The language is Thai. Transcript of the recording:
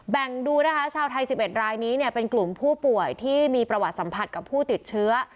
ดูนะคะชาวไทย๑๑รายนี้เนี่ยเป็นกลุ่มผู้ป่วยที่มีประวัติสัมผัสกับผู้ติดเชื้อ